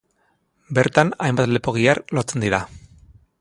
Bertan hainbat lepo gihar lotzen dira.